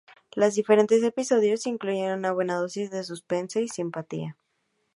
Los diferentes episodios incluyen una buena dosis de suspense y simpatía.